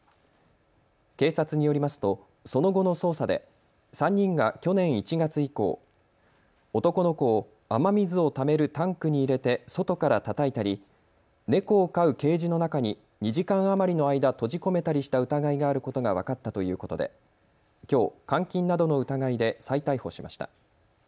警察によりますとその後の捜査で３人が去年１月以降、男の子を雨水をためるタンクに入れて外からたたいたり猫を飼うケージの中に２時間余りの間、閉じ込めたりした疑いがあることが分かったということできょう監禁などの疑いで再逮捕しました。